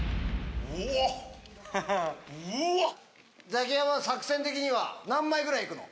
ザキヤマ作戦的には何枚ぐらい行くの？